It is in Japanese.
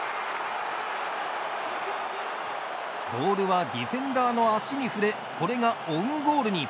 ボールはディフェンダーの足に触れこれがオウンゴールに。